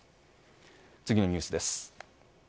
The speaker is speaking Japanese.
次のニュースです。